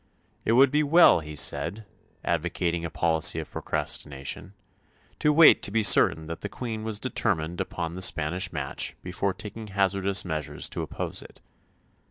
It would be well, he said, advocating a policy of procrastination, to wait to be certain that the Queen was determined upon the Spanish match before taking hazardous measures to oppose it.